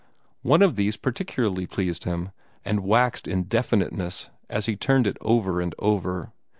One of these particularly pleased him, and waxed in definiteness as he turned it over and over.